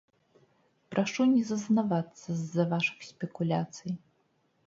Прашу не зазнавацца з-за вашых спекуляцый.